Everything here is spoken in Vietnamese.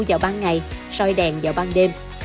vào ban ngày soi đèn vào ban đêm